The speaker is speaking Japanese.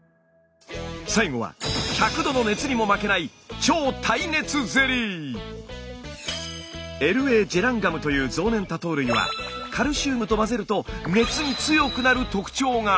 最後は１００度の熱にも負けないＬＡジェランガムという増粘多糖類はカルシウムと混ぜると熱に強くなる特徴が！